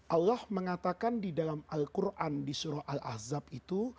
allah mengatakan di dalam al quran di surah al azhab itu